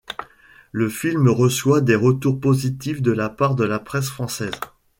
Le film reçoit des retours positifs de la part de la presse française.